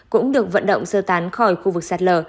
cũng được vận động sơ tán khỏi khu vực sạt lở